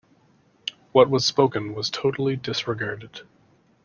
What was spoken was totally disregarded.